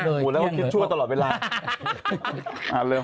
หมดเลยที่ยังเหรอ